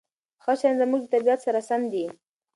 ښه شیان زموږ د طبیعت سره سم دي.